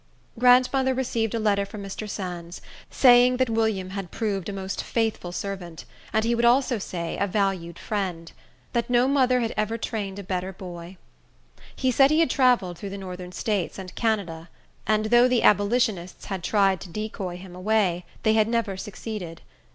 Grandmother received a letter from Mr. Sands, saying that William had proved a most faithful servant, and he would also say a valued friend; that no mother had ever trained a better boy. He said he had travelled through the Northern States and Canada; and though the abolitionists had tried to decoy him away, they had never succeeded.